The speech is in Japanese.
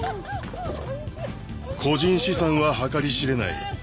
個人資産は計り知れない。